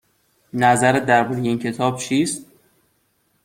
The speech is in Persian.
نظرت درباره این کتاب چیست؟